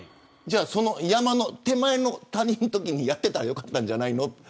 その山の手前の谷のときにやっていたらよかったんじゃないの。